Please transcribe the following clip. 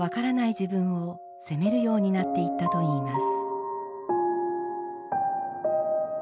自分を責めるようになっていったといいます。